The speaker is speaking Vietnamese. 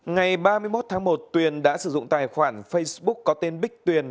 ngày ba mươi một tháng một tuyền đã sử dụng tài khoản facebook có tên bích tuyền